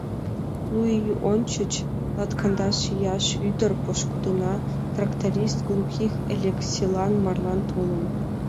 Лу ий ончыч латкандаш ияш ӱдыр пошкудына тракторист Глухих Элекселан марлан толын.